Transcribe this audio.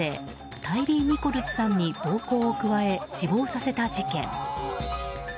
タイリー・ニコルズさんに暴行を加え死亡させた事件。